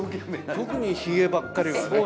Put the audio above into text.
特にヒゲばっかりはね。